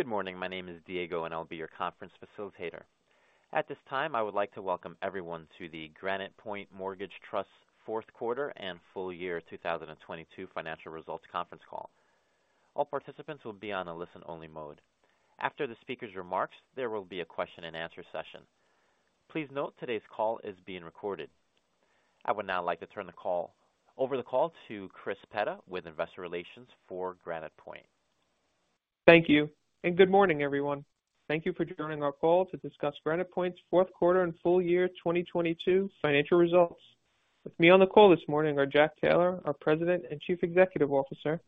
Good morning. My name is Diego, and I'll be your conference facilitator. At this time, I would like to welcome everyone to the Granite Point Mortgage Trust Q4 and full year 2022 financial results conference call. All participants will be on a listen-only mode. After the speaker's remarks, there will be a Q&A session. Please note today's call is being recorded. I would now like to turn over the call to Chris Petta with Investor Relations for Granite Point. Thank you, and good morning, everyone. Thank you for joining our call to discuss Granite Point's Q4 and full year 2022 financial results. With me on the call this morning are Jack Taylor, our President and Chief Executive Officer,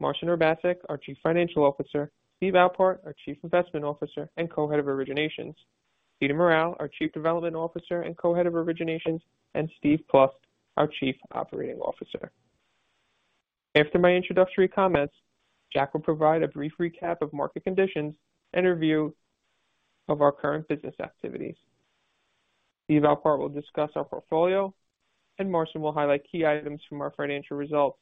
Marcin Urbaszek, our Chief Financial Officer, Steve Alpart, our Chief Investment Officer and Co-Head of Originations, Peter Morral, our Chief Development Officer and Co-Head of Originations, and Steven Plust, our Chief Operating Officer. After my introductory comments, Jack will provide a brief recap of market conditions and review of our current business activities. Steve Alpart will discuss our portfolio, and Marcin will highlight key items from our financial results.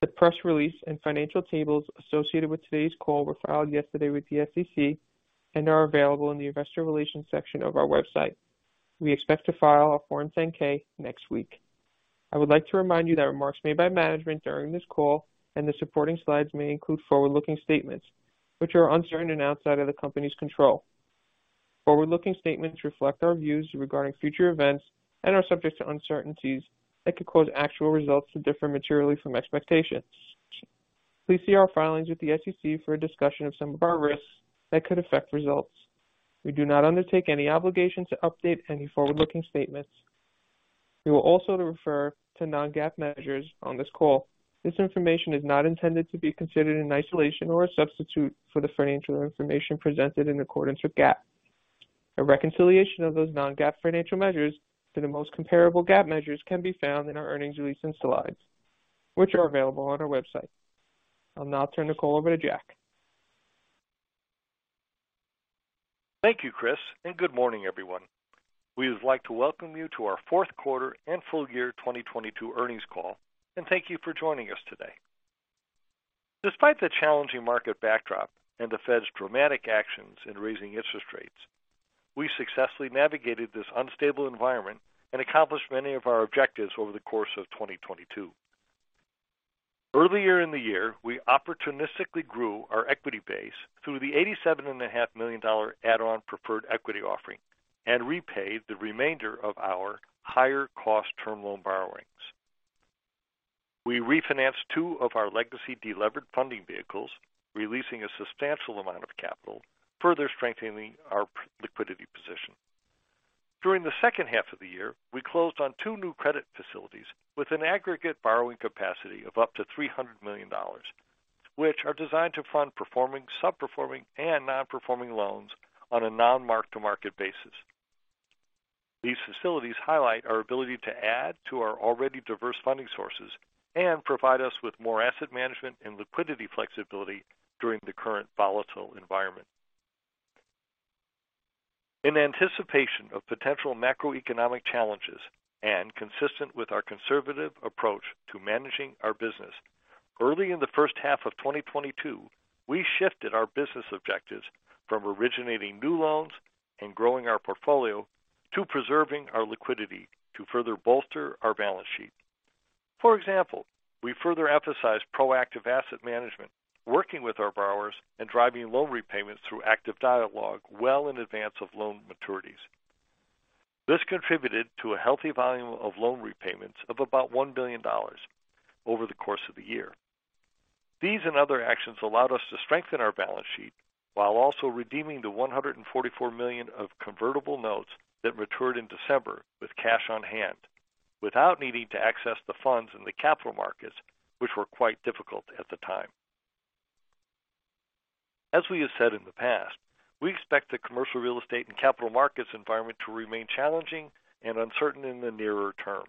The press release and financial tables associated with today's call were filed yesterday with the SEC and are available in the Investor Relations section of our website. We expect to file our Form 10-K next week. I would like to remind you that remarks made by management during this call and the supporting slides may include forward-looking statements which are uncertain and outside of the company's control. Forward-looking statements reflect our views regarding future events and are subject to uncertainties that could cause actual results to differ materially from expectations. Please see our filings with the SEC for a discussion of some of our risks that could affect results. We do not undertake any obligation to update any forward-looking statements. We will also refer to non-GAAP measures on this call. This information is not intended to be considered in isolation or a substitute for the financial information presented in accordance with GAAP. A reconciliation of those non-GAAP financial measures to the most comparable GAAP measures can be found in our earnings release and slides, which are available on our website. I'll now turn the call over to Jack. Thank you, Chris. Good morning, everyone. We would like to welcome you to our Q4 and full year 2022 earnings call, and thank you for joining us today. Despite the challenging market backdrop and the Fed's dramatic actions in raising interest rates, we successfully navigated this unstable environment and accomplished many of our objectives over the course of 2022. Earlier in the year, we opportunistically grew our equity base through the eighty-seven and a half million dollar add-on preferred equity offering and repaid the remainder of our higher cost term loan borrowings. We refinanced two of our legacy delevered funding vehicles, releasing a substantial amount of capital, further strengthening our liquidity position. During the H2 of the year, we closed on two new credit facilities with an aggregate borrowing capacity of up to $300 million, which are designed to fund performing, sub-performing, and non-performing loans on a non-mark-to-market basis. These facilities highlight our ability to add to our already diverse funding sources and provide us with more asset management and liquidity flexibility during the current volatile environment. In anticipation of potential macroeconomic challenges and consistent with our conservative approach to managing our business, early in the H1 of 2022, we shifted our business objectives from originating new loans and growing our portfolio to preserving our liquidity to further bolster our balance sheet. For example, we further emphasized proactive asset management, working with our borrowers and driving loan repayments through active dialogue well in advance of loan maturities. This contributed to a healthy volume of loan repayments of about $1 billion over the course of the year. These and other actions allowed us to strengthen our balance sheet while also redeeming the $144 million of convertible notes that matured in December with cash on hand, without needing to access the funds in the capital markets, which were quite difficult at the time. As we have said in the past, we expect the commercial real estate and capital markets environment to remain challenging and uncertain in the nearer term.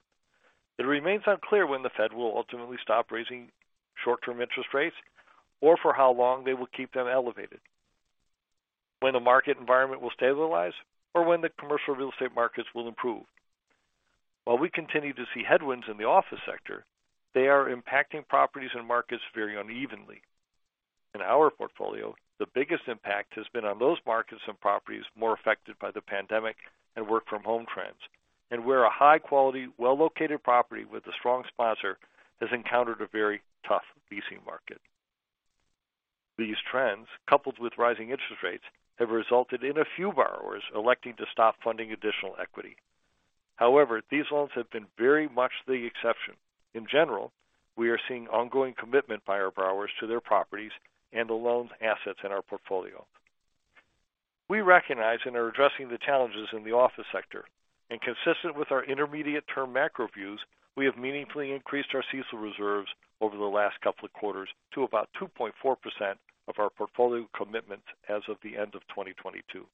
It remains unclear when the Fed will ultimately stop raising short-term interest rates or for how long they will keep them elevated, when the market environment will stabilize, or when the commercial real estate markets will improve. While we continue to see headwinds in the office sector, they are impacting properties and markets very unevenly. In our portfolio, the biggest impact has been on those markets and properties more affected by the pandemic and work from home trends. Where a high quality, well-located property with a strong sponsor has encountered a very tough leasing market. These trends, coupled with rising interest rates, have resulted in a few borrowers electing to stop funding additional equity. However, these loans have been very much the exception. In general, we are seeing ongoing commitment by our borrowers to their properties and the loans assets in our portfolio. We recognize and are addressing the challenges in the office sector. Consistent with our intermediate-term macro views, we have meaningfully increased our CECL reserves over the last couple of quarters to about 2.4% of our portfolio commitments as of the end of 2022.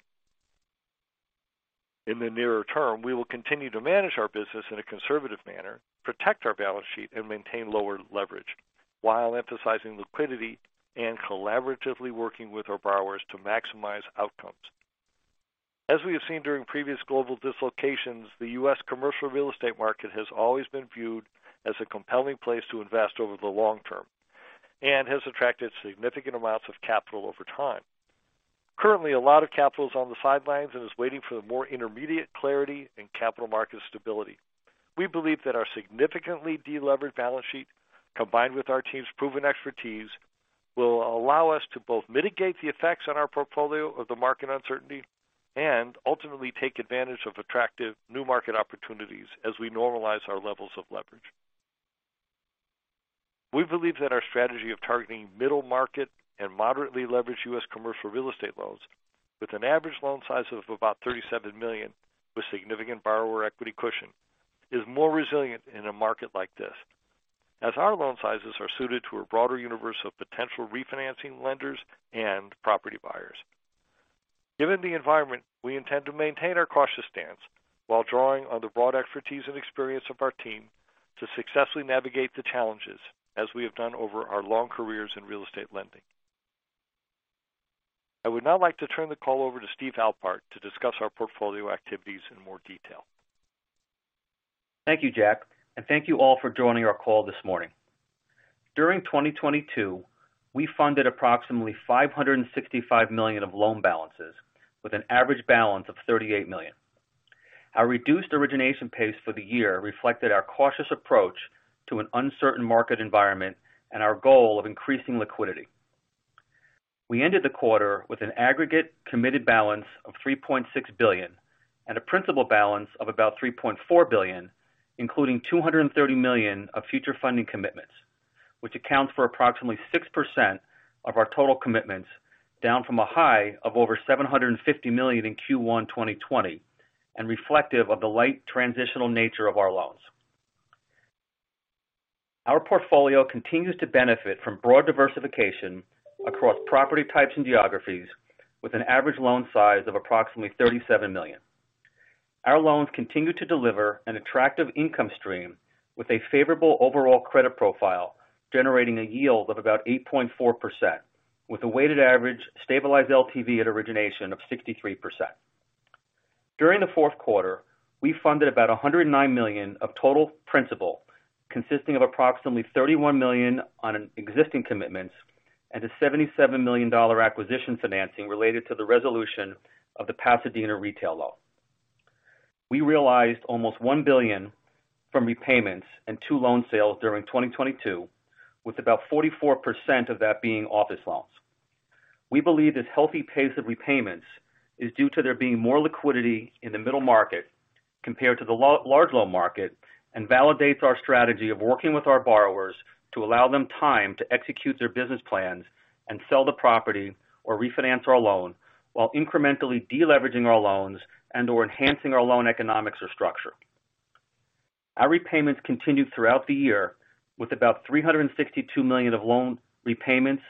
In the nearer term, we will continue to manage our business in a conservative manner, protect our balance sheet, and maintain lower leverage, while emphasizing liquidity and collaboratively working with our borrowers to maximize outcomes. As we have seen during previous global dislocations, the U.S. commercial real estate market has always been viewed as a compelling place to invest over the long term and has attracted significant amounts of capital over time. Currently, a lot of capital is on the sidelines and is waiting for the more intermediate clarity and capital market stability. We believe that our significantly deleveraged balance sheet, combined with our team's proven expertise, will allow us to both mitigate the effects on our portfolio of the market uncertainty and ultimately take advantage of attractive new market opportunities as we normalize our levels of leverage. We believe that our strategy of targeting middle market and moderately leveraged U.S. commercial real estate loans with an average loan size of about $37 million, with significant borrower equity cushion is more resilient in a market like this, as our loan sizes are suited to a broader universe of potential refinancing lenders and property buyers. Given the environment, we intend to maintain our cautious stance while drawing on the broad expertise and experience of our team to successfully navigate the challenges as we have done over our long careers in real estate lending. I would now like to turn the call over to Steve Alpart to discuss our portfolio activities in more detail. Thank you, Jack, and thank you all for joining our call this morning. During 2022, we funded approximately $565 million of loan balances with an average balance of $38 million. Our reduced origination pace for the year reflected our cautious approach to an uncertain market environment and our goal of increasing liquidity. We ended the quarter with an aggregate committed balance of $3.6 billion and a principal balance of about $3.4 billion, including $230 million of future funding commitments, which accounts for approximately 6% of our total commitments, down from a high of over $750 million in Q1 2020, and reflective of the light transitional nature of our loans. Our portfolio continues to benefit from broad diversification across property types and geographies, with an average loan size of approximately $37 million. Our loans continue to deliver an attractive income stream with a favorable overall credit profile, generating a yield of about 8.4%, with a weighted average stabilized LTV at origination of 63%. During the Q4, we funded about $109 million of total principal, consisting of approximately $31 million on existing commitments and a $77 million acquisition financing related to the resolution of the Pasadena retail loan. We realized almost $1 billion from repayments and two loan sales during 2022, with about 44% of that being office loans. We believe this healthy pace of repayments is due to there being more liquidity in the middle market compared to the large loan market, validates our strategy of working with our borrowers to allow them time to execute their business plans and sell the property or refinance our loan while incrementally de-leveraging our loans and or enhancing our loan economics or structure. Our repayments continued throughout the year with about $362 million of loan repayments,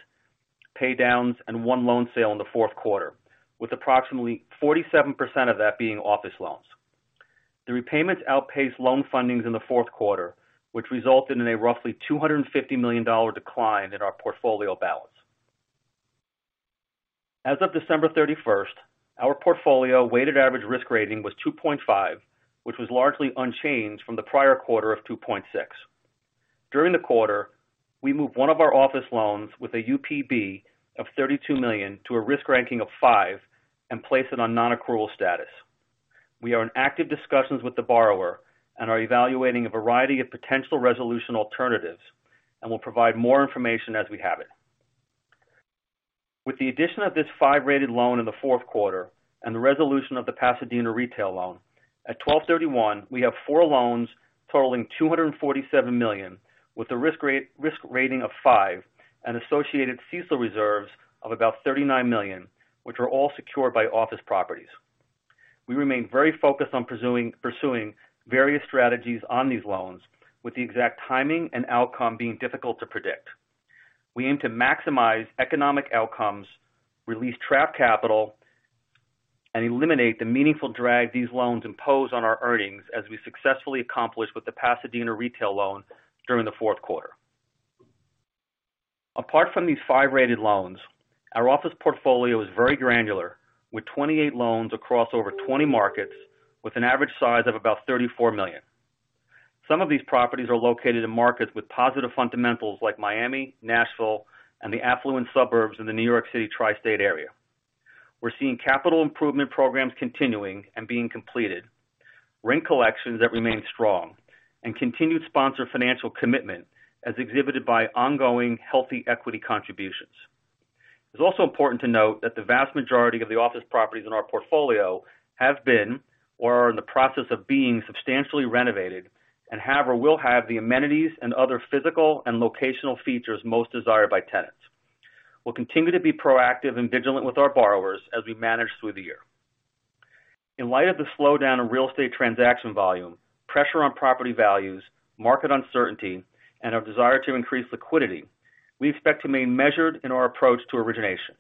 pay downs, and one loan sale in the Q4, with approximately 47% of that being office loans. The repayments outpaced loan fundings in the Q4, which resulted in a roughly $250 million decline in our portfolio balance. As of December 31st, our portfolio weighted average risk rating was 2.5, which was largely unchanged from the prior quarter of 2.6. During the quarter, we moved one of our office loans with a UPB of $32 million to a risk ranking of five and placed it on non-accrual status. We are in active discussions with the borrower and are evaluating a variety of potential resolution alternatives and will provide more information as we have it. With the addition of this 5-rated loan in the Q4 and the resolution of the Pasadena retail loan. At 12/31, we have four loans totaling $247 million, with a risk rating of five and associated CECL reserves of about $39 million, which are all secured by office properties. We remain very focused on pursuing various strategies on these loans, with the exact timing and outcome being difficult to predict. We aim to maximize economic outcomes, release trapped capital, and eliminate the meaningful drag these loans impose on our earnings as we successfully accomplished with the Pasadena retail loan during the Q4. Apart from these five-rated loans, our office portfolio is very granular with 28 loans across over 20 markets with an average size of about $34 million. Some of these properties are located in markets with positive fundamentals like Miami, Nashville, and the affluent suburbs of the New York City tri-state area. We're seeing capital improvement programs continuing and being completed, rent collections that remain strong, and continued sponsor financial commitment as exhibited by ongoing healthy equity contributions. It's also important to note that the vast majority of the office properties in our portfolio have been or are in the process of being substantially renovated and have or will have the amenities and other physical and locational features most desired by tenants. We'll continue to be proactive and vigilant with our borrowers as we manage through the year. In light of the slowdown in real estate transaction volume, pressure on property values, market uncertainty, and our desire to increase liquidity, we expect to remain measured in our approach to originations.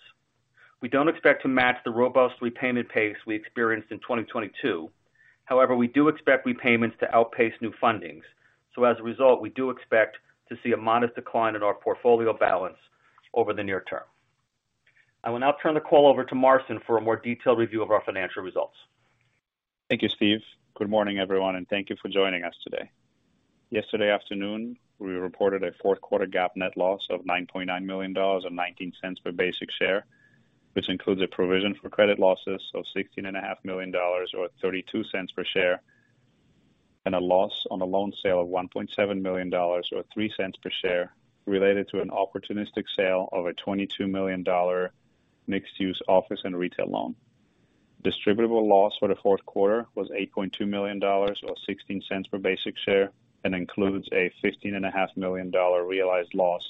We don't expect to match the robust repayment pace we experienced in 2022. However, we do expect repayments to outpace new fundings. As a result, we do expect to see a modest decline in our portfolio balance over the near term. I will now turn the call over to Marcin for a more detailed review of our financial results. Thank you, Steve. Good morning, everyone, and thank you for joining us today. Yesterday afternoon, we reported a Q4 GAAP net loss of $9.9 million and $0.19 per basic share, which includes a provision for credit losses of $16.5 million or $0.32 per share, and a loss on a loan sale of $1.7 million or $0.03 per share related to an opportunistic sale of a $22 million mixed-use office and retail loan. Distributable loss for the Q4 was $8.2 million or $0.16 per basic share and includes a $15.5 million realized loss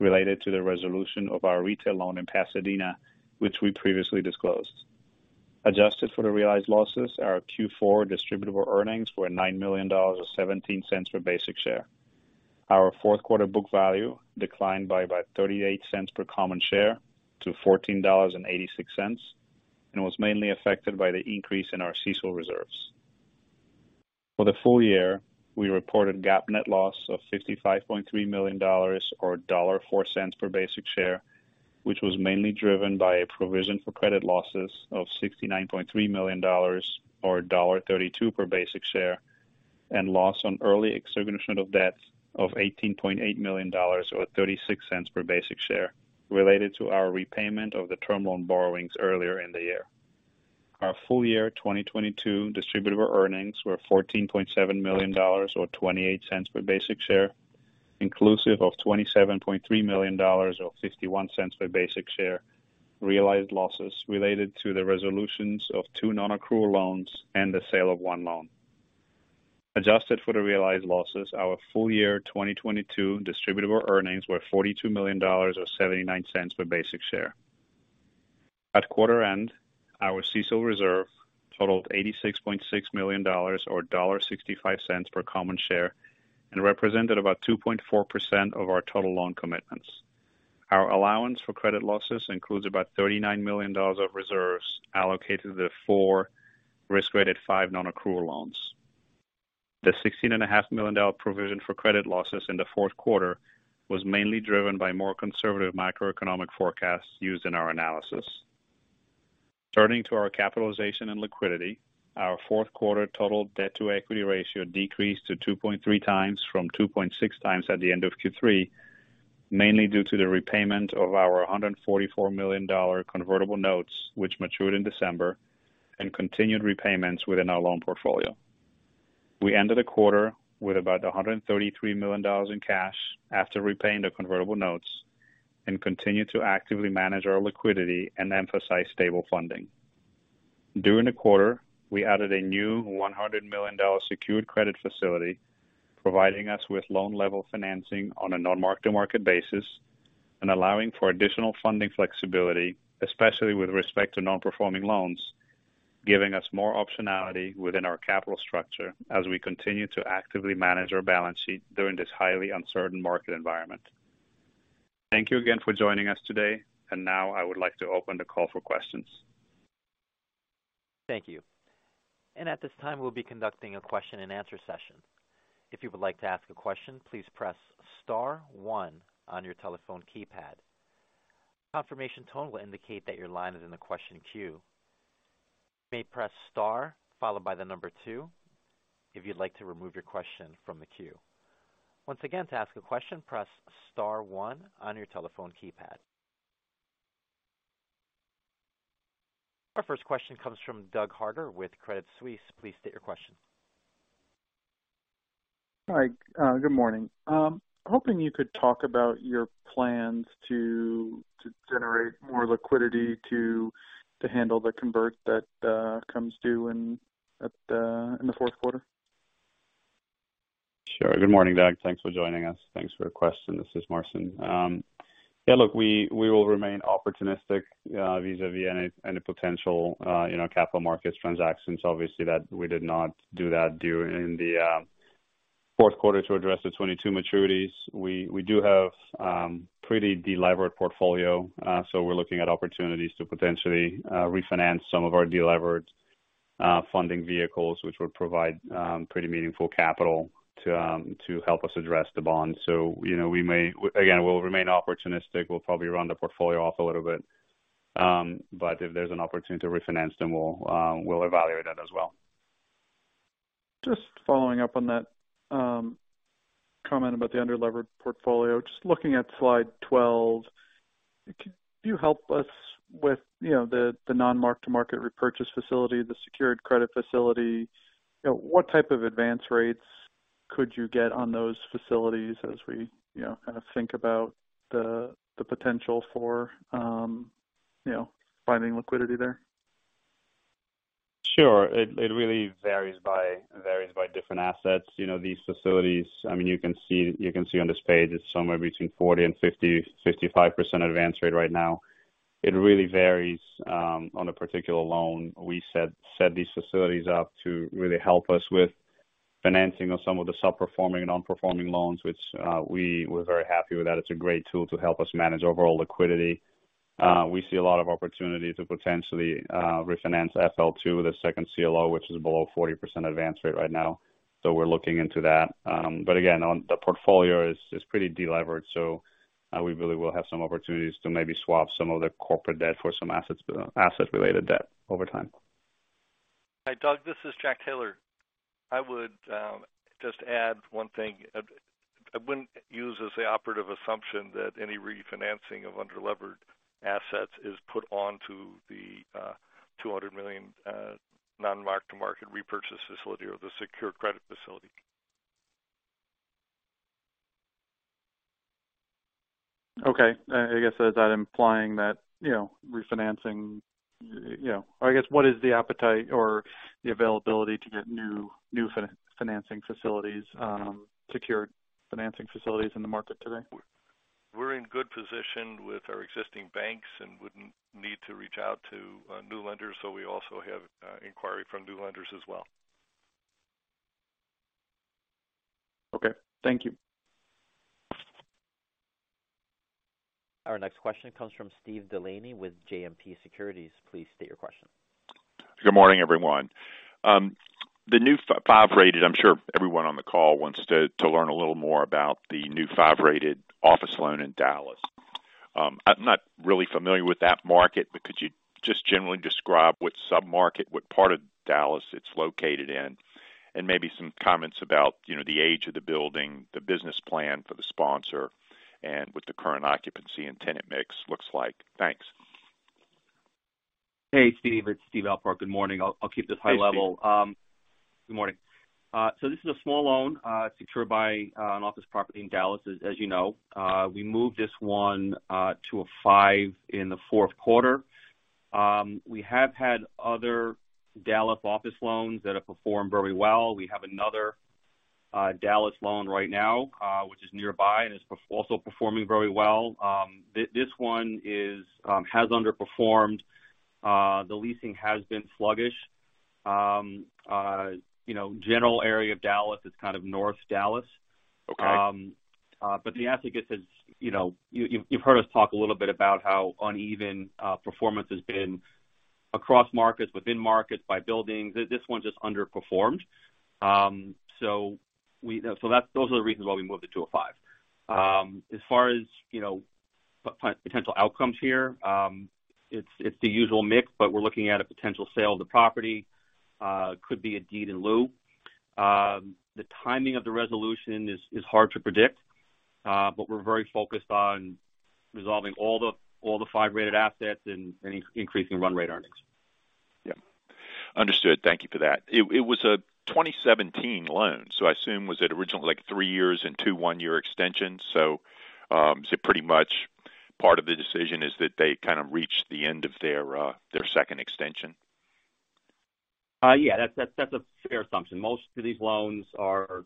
related to the resolution of our retail loan in Pasadena, which we previously disclosed. Adjusted for the realized losses, our Q4 Distributable Earnings were $9 million or $0.17 per basic share. Our Q4 book value declined by about $0.38 per common share to $14.86. Was mainly affected by the increase in our CECL reserves. For the full year, we reported GAAP net loss of $55.3 million or $1.04 per basic share, which was mainly driven by a provision for credit losses of $69.3 million or $1.32 per basic share. Loss on early extinguishment of debt of $18.8 million or $0.36 per basic share related to our repayment of the term loan borrowings earlier in the year. Our full year 2022 Distributable Earnings were $14.7 million or $0.28 per basic share, inclusive of $27.3 million or $0.51 per basic share. Realized losses related to the resolutions of two non-accrual loans and the sale of one loan. Adjusted for the realized losses, our full year 2022 Distributable Earnings were $42 million or $0.79 per basic share. At quarter end, our CECL reserve totaled $86.6 million or $1.65 per common share and represented about 2.4% of our total loan commitments. Our allowance for credit losses includes about $39 million of reserves allocated to the four risk-rated five non-accrual loans. The $16.5 million provision for credit losses in the Q4 was mainly driven by more conservative macroeconomic forecasts used in our analysis. Turning to our capitalization and liquidity, our Q4 total debt to equity ratio decreased to 2.3x from 2.6x at the end of Q3, mainly due to the repayment of our $144 million convertible notes, which matured in December, and continued repayments within our loan portfolio. We ended the quarter with about $133 million in cash after repaying the convertible notes and continued to actively manage our liquidity and emphasize stable funding. During the quarter, we added a new $100 million secured credit facility, providing us with loan level financing on a non-mark-to-market basis and allowing for additional funding flexibility, especially with respect to non-performing loans, giving us more optionality within our capital structure as we continue to actively manage our balance sheet during this highly uncertain market environment. Thank you again for joining us today. Now I would like to open the call for questions. Thank you. At this time, we'll be conducting a Q&A session. If you would like to ask a question, please press star one on your telephone keypad. Confirmation tone will indicate that your line is in the question queue. You may press star followed by two if you'd like to remove your question from the queue. Once again, to ask a question, press star one on your telephone keypad. Our first question comes from Doug Harter with Credit Suisse. Please state your question. Hi. Good morning. Hoping you could talk about your plans to generate more liquidity to handle the convert that comes due in the Q4. Sure. Good morning, Doug. Thanks for joining us. Thanks for your question. This is Marcin. Yeah, look, we will remain opportunistic vis-a-vis any potential, you know, capital markets transactions. Obviously that we did not do that during the Q4 to address the 22 maturities. We do have pretty delevered portfolio. We're looking at opportunities to potentially refinance some of our delevered funding vehicles, which would provide pretty meaningful capital to help us address the bond. You know, again, we'll remain opportunistic. We'll probably run the portfolio off a little bit. If there's an opportunity to refinance, then we'll evaluate that as well. Just following up on that, comment about the underlevered portfolio. Just looking at slide 12, could you help us with, you know, the non-mark-to-market repurchase facility, the secured credit facility? You know, what type of advance rates could you get on those facilities as we, you know, kind of think about the potential for, you know, finding liquidity there? Sure. It really varies by different assets. You know, these facilities, I mean, you can see on this page it's somewhere between 40% and 50-55% advance rate right now. It really varies on a particular loan. We set these facilities up to really help us. Financing of some of the sub-performing and non-performing loans, which, we're very happy with that. It's a great tool to help us manage overall liquidity. We see a lot of opportunity to potentially refinance GPMT 2019-FL2, the second CLO, which is below 40% advance rate right now. We're looking into that. Again, on the portfolio is pretty de-levered. We really will have some opportunities to maybe swap some of the corporate debt for some assets, asset-related debt over time. Hi, Doug, this is Jack Taylor. I would just add one thing. I wouldn't use as the operative assumption that any refinancing of under-levered assets is put onto the $200 million non-mark-to-market repurchase facility or the secured credit facility. Okay. I guess, is that implying that, you know, refinancing, you know... I guess, what is the appetite or the availability to get new financing facilities, secured financing facilities in the market today? We're in good position with our existing banks and wouldn't need to reach out to new lenders. We also have inquiry from new lenders as well. Okay, thank you. Our next question comes from Steve Delaney with JMP Securities. Please state your question. Good morning, everyone. The new 5-rated, I'm sure everyone on the call wants to learn a little more about the new 5-rated office loan in Dallas. I'm not really familiar with that market, but could you just generally describe what sub-market, what part of Dallas it's located in, and maybe some comments about, you know, the age of the building, the business plan for the sponsor, and what the current occupancy and tenant mix looks like. Thanks. Hey, Steve. It's Steve Alpart. Good morning. I'll keep this high level. Good morning. This is a small loan, secured by an office property in Dallas, as you know. We moved this one to a five in the Q4. We have had other Dallas office loans that have performed very well. We have another Dallas loan right now, which is nearby and is also performing very well. This one is has underperformed. The leasing has been sluggish. You know, general area of Dallas, it's kind of North Dallas. Okay. The asset gets its... You know, you've heard us talk a little bit about how uneven performance has been across markets, within markets, by buildings. This one just underperformed. Those are the reasons why we moved it to a five. As far as, you know, potential outcomes here, it's the usual mix, we're looking at a potential sale of the property. Could be a deed in lieu. The timing of the resolution is hard to predict, we're very focused on resolving all the five-rated assets and increasing run rate earnings. Yeah. Understood. Thank you for that. It was a 2017 loan, so I assume was it originally like three years and two, one year extensions? Is it pretty much part of the decision is that they kind of reached the end of their second extension? Yeah. That's a fair assumption. Most of these loans are.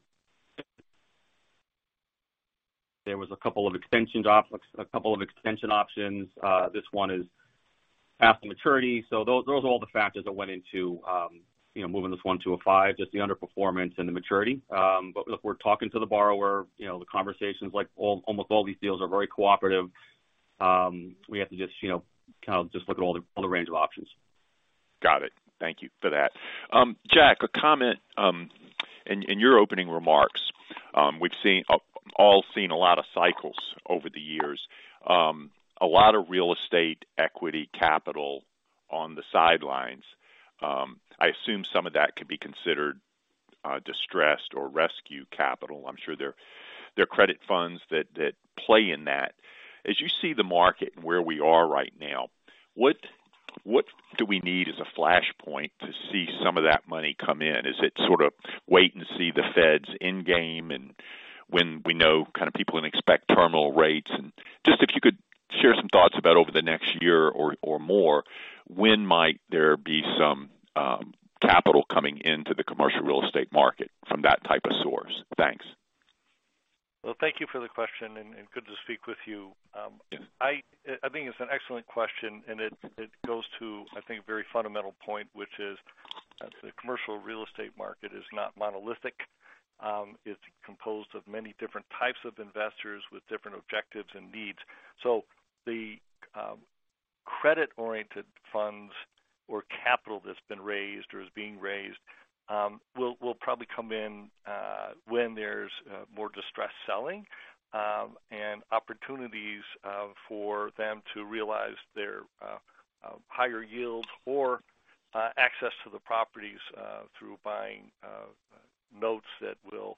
There was a couple of extension options. This one is past the maturity. Those are all the factors that went into, you know, moving this one to a five, just the underperformance and the maturity. Look, we're talking to the borrower. You know, the conversations like almost all these deals are very cooperative. We have to just, you know, kind of just look at all the, all the range of options. Got it. Thank you for that. Jack, a comment in your opening remarks. We've all seen a lot of cycles over the years. A lot of real estate equity capital on the sidelines. I assume some of that could be considered distressed or rescue capital. I'm sure there are credit funds that play in that. As you see the market and where we are right now, what do we need as a flashpoint to see some of that money come in? Is it sort of wait and see the Fed's endgame? When we know kind of people can expect terminal rates. Just if you could share some thoughts about over the next year or more, when might there be some capital coming into the commercial real estate market from that type of source? Thanks. Well, thank you for the question, and good to speak with you. I think it's an excellent question, and it goes to, I think, a very fundamental point, which is the commercial real estate market is not monolithic. It's composed of many different types of investors with different objectives and needs. The credit-oriented funds or capital that's been raised or is being raised will probably come in when there's more distressed selling and opportunities for them to realize their higher yields or access to the properties through buying notes that will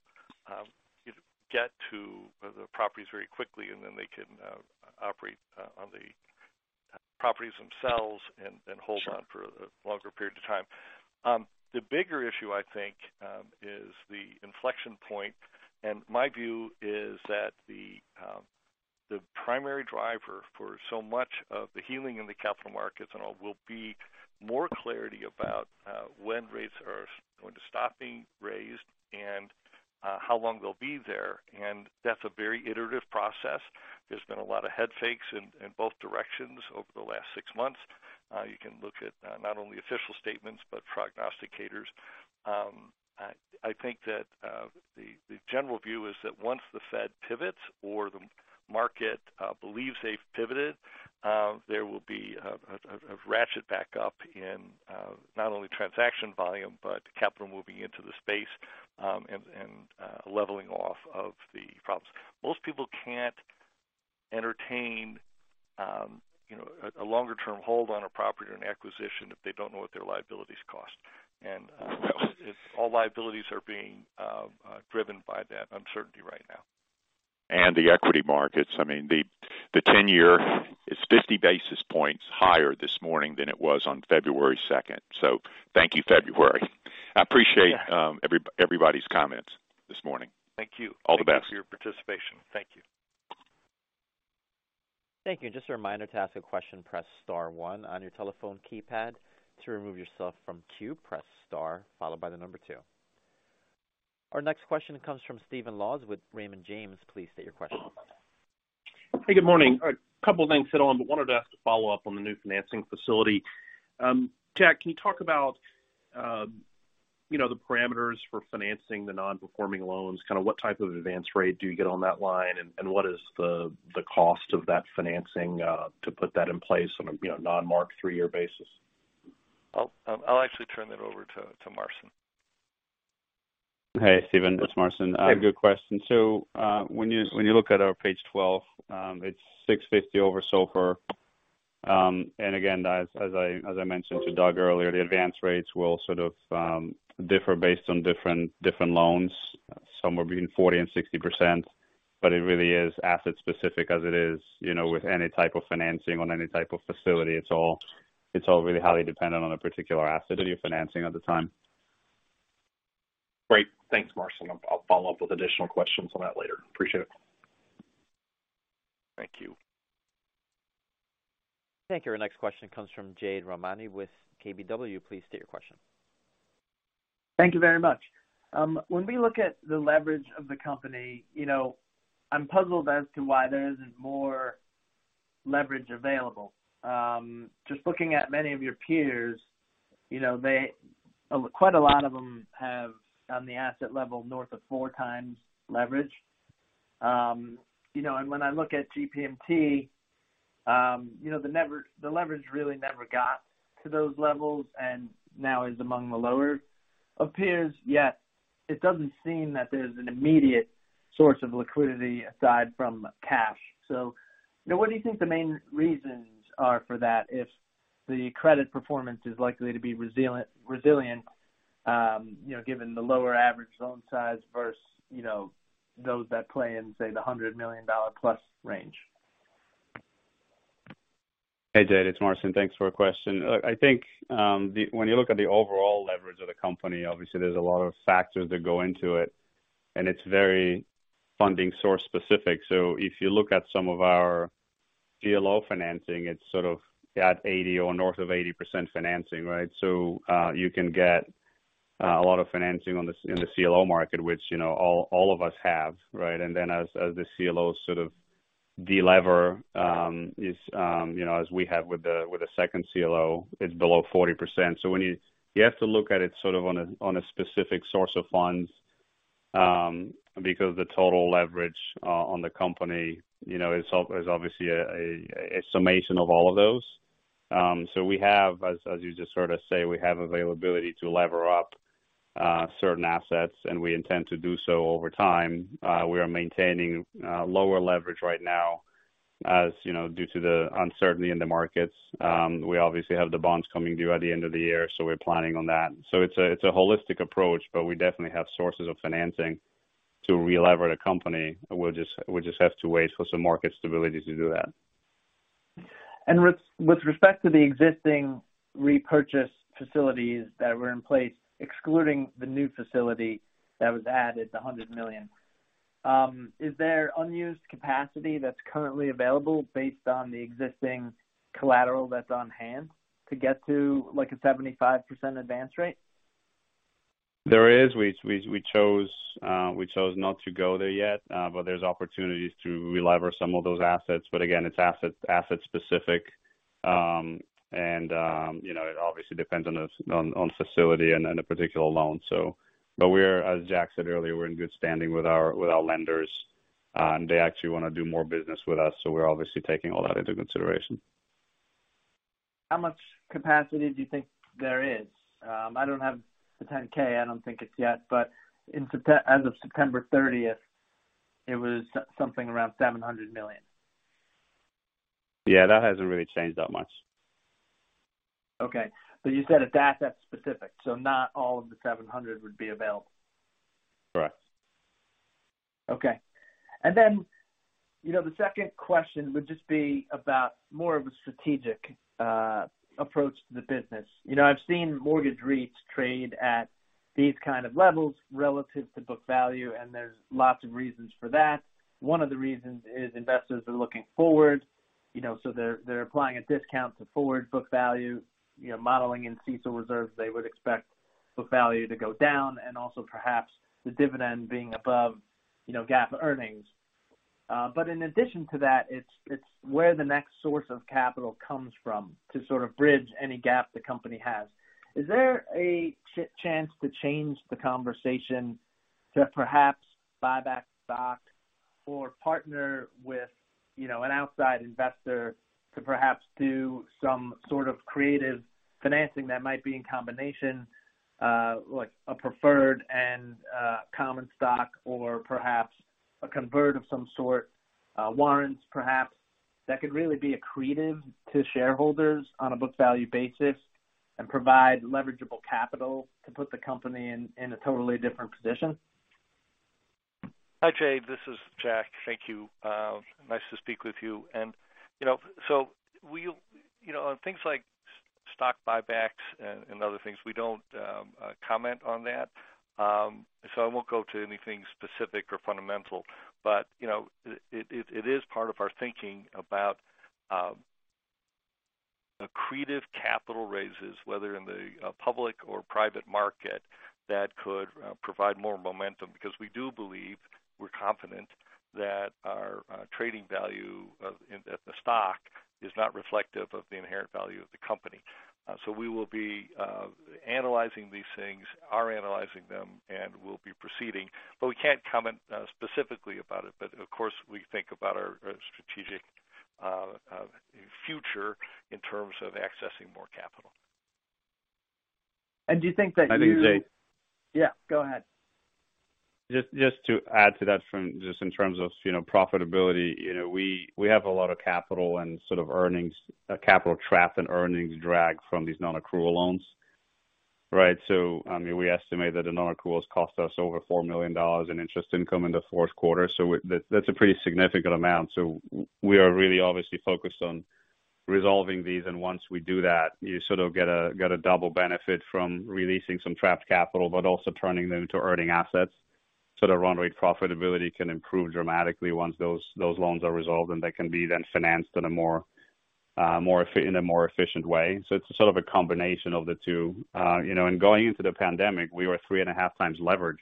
get to the properties very quickly, and then they can operate on the properties themselves and hold on for a longer period of time. The bigger issue, I think, is the inflection point, and my view is that the primary driver for so much of the healing in the capital markets and all will be more clarity about when rates are going to stop being raised and-How long they'll be there. That's a very iterative process. There's been a lot of head fakes in both directions over the last six months. You can look at not only official statements, but prognosticators. I think that the general view is that once the Fed pivots or the market believes they've pivoted, there will be a ratchet back up in not only transaction volume, but capital moving into the space, and leveling off of the problems. Most people can't entertain, you know, a longer-term hold on a property or an acquisition if they don't know what their liabilities cost. If all liabilities are being, driven by that uncertainty right now. The equity markets. I mean, the 10-year is 50 basis points higher this morning than it was on February 2. Thank you, February. I appreciate- Yeah. Everybody's comments this morning. Thank you. All the best. Thank you for your participation. Thank you. Thank you. Just a reminder to ask a question, press star one on your telephone keypad. To remove yourself from queue, press star followed by the number two. Our next question comes from Stephen Laws with Raymond James. Please state your question. Hey, good morning. A couple things, everyone, wanted to ask a follow-up on the new financing facility. Jack, can you talk about, you know, the parameters for financing the non-performing loans? Kinda what type of advance rate do you get on that line? What is the cost of that financing to put that in place on a, you know, non-marked three year basis? I'll actually turn that over to Marcin. Hey, Stephen, it's Marcin. Hey. Good question. When you look at our page 12, it's 650 over SOFR. Again, as I mentioned to Doug earlier, the advance rates will sort of differ based on different loans, somewhere between 40% and 60%. It really is asset specific as it is, you know, with any type of financing on any type of facility. It's all really highly dependent on a particular asset that you're financing at the time. Great. Thanks, Marcin. I'll follow up with additional questions on that later. Appreciate it. Thank you. Thank you. Our next question comes from Jade Rahmani with KBW. Please state your question. Thank you very much. When we look at the leverage of the company, you know, I'm puzzled as to why there isn't more leverage available. Just looking at many of your peers, you know, quite a lot of them have on the asset level north of four times leverage. You know, when I look at GPMT, you know, the leverage really never got to those levels, and now is among the lower. Appears, yet it doesn't seem that there's an immediate source of liquidity aside from cash. What do you think the main reasons are for that if the credit performance is likely to be resilient, you know, given the lower average loan size versus, you know, those that play in, say, the $100+ million range? Hey, Jade, it's Marcin. Thanks for your question. Look, I think, when you look at the overall leverage of the company, obviously there's a lot of factors that go into it. It's very funding source specific. If you look at some of our CLO financing, it's sort of at 80% or north of 80% financing, right? You can get a lot of financing in the CLO market, which, you know, all of us have, right? As the CLO sort of de-lever, you know, as we have with the, with the second CLO, it's below 40%. When you have to look at it sort of on a, on a specific source of funds, because the total leverage on the company, you know, is obviously a summation of all of those. We have, as you just sort of say, we have availability to lever up certain assets, and we intend to do so over time. We are maintaining lower leverage right now, as, you know, due to the uncertainty in the markets. We obviously have the bonds coming due at the end of the year, so we're planning on that. It's a, it's a holistic approach, but we definitely have sources of financing to re-lever the company. We'll just have to wait for some market stability to do that. With respect to the existing repurchase facilities that were in place, excluding the new facility that was added, the $100 million, is there unused capacity that's currently available based on the existing collateral that's on hand to get to like a 75% advance rate? There is. We chose not to go there yet, but there's opportunities to re-lever some of those assets. Again, it's asset specific. You know, it obviously depends on facility and the particular loan. We're, as Jack said earlier, we're in good standing with our lenders, and they actually wanna do more business with us, so we're obviously taking all that into consideration. How much capacity do you think there is? I don't have the 10-K. I don't think it's yet. As of September 30th, it was around $700 million. Yeah. That hasn't really changed that much. Okay. You said it's asset specific, so not all of the $700 would be available. Correct. Okay. You know, the second question would just be about more of a strategic approach to the business. You know, I've seen mortgage REITs trade at these kind of levels relative to book value, and there's lots of reasons for that. One of the reasons is investors are looking forward. You know, so they're applying a discount to forward book value. You know, modeling in CECL reserves, they would expect book value to go down and also perhaps the dividend being above, you know, GAAP earnings. In addition to that, it's where the next source of capital comes from to sort of bridge any gap the company has. Is there a chance to change the conversation to perhaps buy back stock or partner with, you know, an outside investor to perhaps do some sort of creative financing that might be in combination, like a preferred and common stock or perhaps a convert of some sort, warrants perhaps that could really be accretive to shareholders on a book value basis and provide leverageable capital to put the company in a totally different position? Hi, Jade, this is Jack. Thank you. Nice to speak with you. You know, on things like stock buybacks and other things, we don't comment on that. I won't go to anything specific or fundamental, but, you know, it, it is part of our thinking about accretive capital raises, whether in the public or private market that could provide more momentum because we do believe we're confident that our trading value of... in the stock is not reflective of the inherent value of the company. We will be analyzing these things, are analyzing them, and we'll be proceeding. We can't comment specifically about it. Of course, we think about our strategic future in terms of accessing more capital. Do you think that? I think, Jade. Yeah, go ahead. Just to add to that from just in terms of, you know, profitability. You know, we have a lot of capital and sort of earnings, capital trap and earnings drag from these non-accrual loans. Right. I mean, we estimate that the non-accruals cost us over $4 million in interest income in the Q4. That's a pretty significant amount. We are really obviously focused on resolving these. Once we do that, you sort of get a double benefit from releasing some trapped capital but also turning them into earning assets so the run rate profitability can improve dramatically once those loans are resolved, and they can be then financed in a more efficient way. It's sort of a combination of the two. you know, Going into the pandemic, we were 3.5x leverage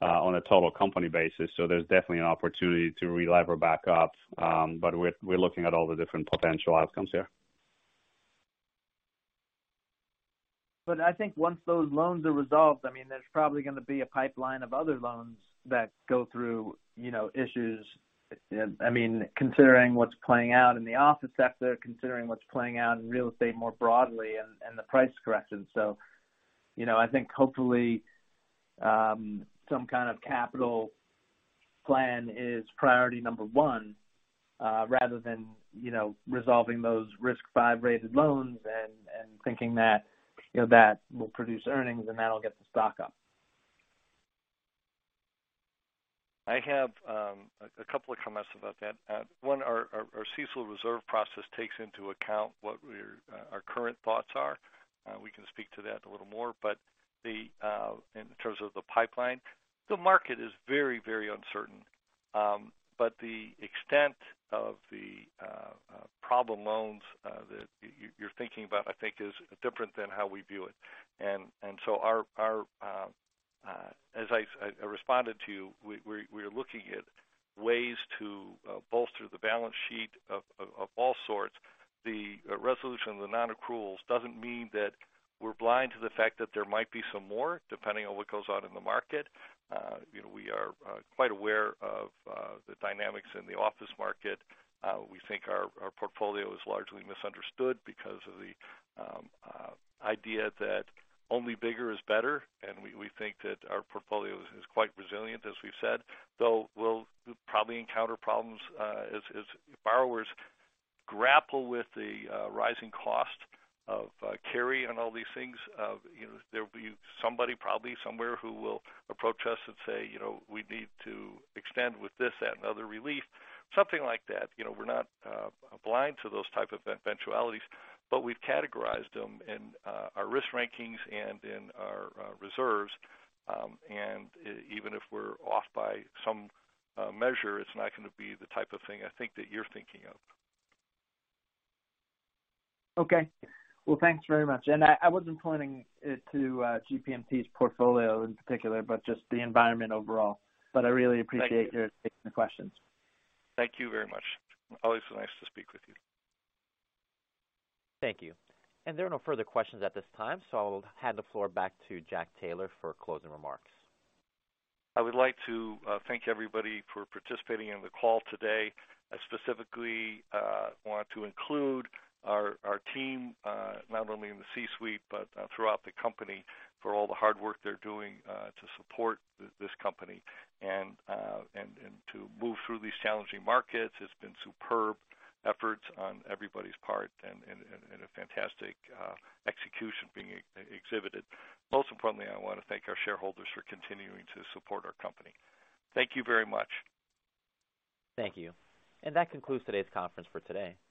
on a total company basis. There's definitely an opportunity to re-lever back up. We're looking at all the different potential outcomes here. I think once those loans are resolved, I mean, there's probably gonna be a pipeline of other loans that go through, you know, issues. I mean, considering what's playing out in the office sector, considering what's playing out in real estate more broadly and the price correction. You know, I think hopefully, some kind of capital plan is priority number one, rather than, you know, resolving those risk five rated loans and thinking that, you know, that will produce earnings and that'll get the stock up. I have a couple of comments about that. One, our CECL reserve process takes into account what we're our current thoughts are. We can speak to that a little more. The in terms of the pipeline, the market is very uncertain. The extent of the problem loans that you're thinking about, I think is different than how we view it. Our as I responded to you, we're looking at ways to bolster the balance sheet of all sorts. The resolution of the non-accruals doesn't mean that we're blind to the fact that there might be some more depending on what goes on in the market. You know, we are quite aware of the dynamics in the office market. We think our portfolio is largely misunderstood because of the idea that only bigger is better. We think that our portfolio is quite resilient, as we've said. Though we'll probably encounter problems as borrowers grapple with the rising cost of carry on all these things. You know, there will be somebody probably somewhere who will approach us and say, "You know, we need to extend with this, that, and other relief." Something like that. You know, we're not blind to those type of eventualities, but we've categorized them in our risk rankings and in our reserves. Even if we're off by some measure, it's not gonna be the type of thing I think that you're thinking of. Okay. Well, thanks very much. I wasn't pointing it to GPMT's portfolio in particular, but just the environment overall. I really appreciate-. Thank you. - you're taking the questions. Thank you very much. Always nice to speak with you. Thank you. There are no further questions at this time. I'll hand the floor back to Jack Taylor for closing remarks. I would like to thank everybody for participating in the call today. I specifically want to include our team, not only in the C-suite, but throughout the company for all the hard work they're doing to support this company and to move through these challenging markets. It's been superb efforts on everybody's part and a fantastic execution being exhibited. Most importantly, I wanna thank our shareholders for continuing to support our company. Thank you very much. Thank you. That concludes today's conference for today. All parties.